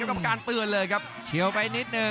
รับทราบบรรดาศักดิ์